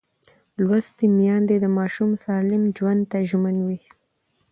لوستې میندې د ماشوم سالم ژوند ته ژمن وي.